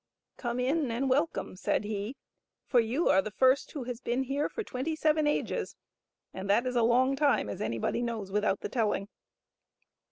" Come in and welcome," said he, " for you are the first who has been here for twenty seven ages;" and that is a long time, as anybody knows without the telling.